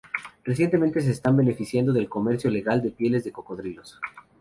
Recientemente se están beneficiando del comercio legal de pieles de cocodrilos.